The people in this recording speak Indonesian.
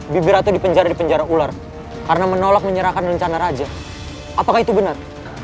bibi ratu dipenjara penjara ular karena menolak menyerahkan rencana raja apakah itu benar